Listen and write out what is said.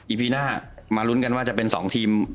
พีหน้ามาลุ้นกันว่าจะเป็น๒ทีม